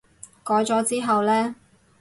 改咗之後呢？